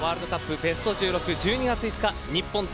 ベスト１６、１２月５日日本対